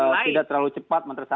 kalau ini sudah terpulih untuk pidana